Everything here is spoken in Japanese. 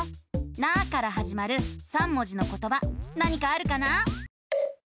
「な」からはじまる３文字のことば何かあるかな？